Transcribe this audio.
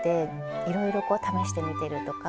いろいろこう試してみてるとか。